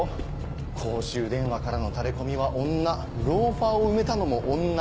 公衆電話からのタレコミは女ローファーを埋めたのも女。